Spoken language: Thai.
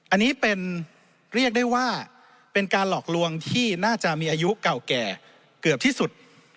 อันนี้เป็นเรียกได้ว่าเป็นการหลอกลวงที่น่าจะมีอายุเก่าแก่เกือบที่สุด